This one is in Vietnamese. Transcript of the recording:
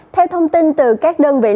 theo thông tin từ các đơn vị lực